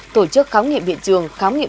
tổ chức khám nghiệm hiện trường khám nghiệm